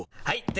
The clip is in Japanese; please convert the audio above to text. はい！